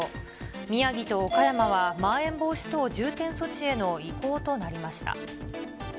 宮城と岡山はまん延防止等重点措置への移行となりました。